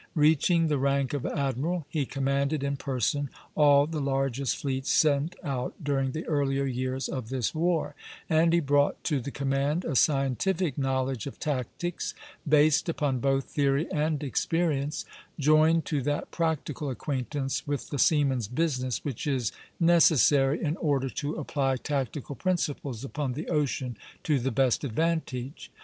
Reaching the rank of admiral, he commanded in person all the largest fleets sent out during the earlier years of this war, and he brought to the command a scientific knowledge of tactics, based upon both theory and experience, joined to that practical acquaintance with the seaman's business which is necessary in order to apply tactical principles upon the ocean to the best advantage.